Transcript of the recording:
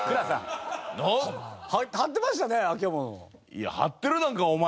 いや貼ってるなんかお前。